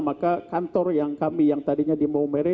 maka kantor yang kami yang tadinya di maumere